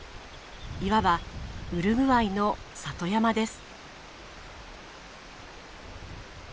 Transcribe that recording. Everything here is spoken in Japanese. いわばウルグアイの里山です。